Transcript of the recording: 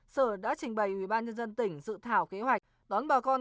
sở đã trình bày ubnd tỉnh dự thảo kế hoạch đón bà con